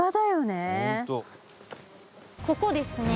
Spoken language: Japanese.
ここですね